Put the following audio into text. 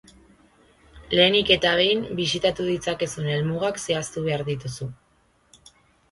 Lehenik eta behin, bisitatu ditzakezun helmugak zehaztu behar dituzu.